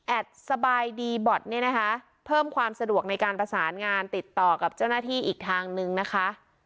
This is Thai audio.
สบายดีบอดเนี่ยนะคะเพิ่มความสะดวกในการประสานงานติดต่อกับเจ้าหน้าที่อีกทางนึงนะคะ